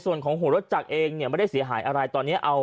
ส่วนของหัวรถจักรเองเนี่ยไม่ได้เสียหายอะไรตอนนี้เอา